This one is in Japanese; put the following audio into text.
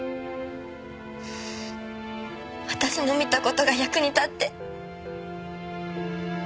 私の見た事が役に立って。